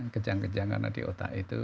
kejang kejang karena di otak itu